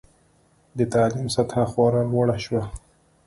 د تعلیم سطحه خورا لوړه شوه.